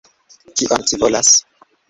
Kion ci volas?